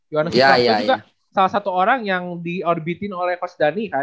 yohannes suprapto juga salah satu orang yang di orbitin oleh coach dhani kan